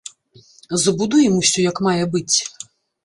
Забудуем усё як мае быць.